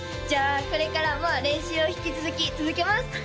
じゃあこれからも練習を引き続き続けます！